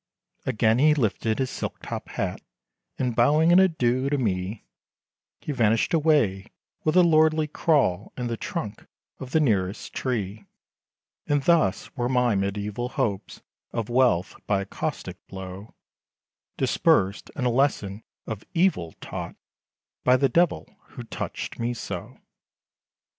Again he lifted his silk top hat, And bowing an adieu to me, He vanished away, with a lordly crawl, In the trunk, of the nearest tree, And thus, were my mediæval hopes Of wealth, by a caustic blow, Dispersed, and a lesson of evil taught, By the Devil, who touched me so.